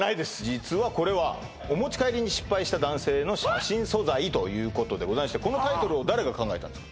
実はこれは「お持ち帰りに失敗した男性の写真素材」ということでございましてこのタイトルを誰が考えたんですか？